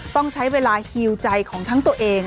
ต้องใช้เวลาฮิวใจของทั้งตัวเอง